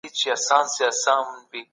تر هغه وروسته ئې د نکاح تصميم ونيول سي